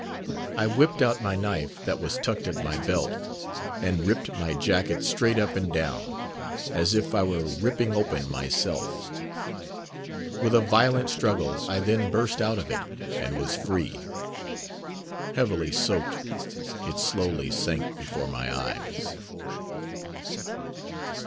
I whipped out my knife, that was tucked at my belt, and ripped my jacket straight up and down, as if I were ripping open myself. With a violent struggle I then burst out of it, and was free. Heavily soaked, it slowly sank before my eyes.